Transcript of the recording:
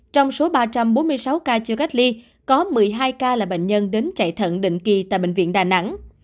trong số ba trăm bốn mươi sáu ca chưa cách ly có một mươi hai ca là bệnh nhân đến chạy thận định kỳ tại bệnh viện đà nẵng